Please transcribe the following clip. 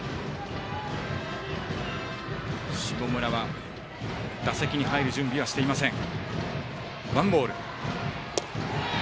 下村は打席に入る準備はしていません。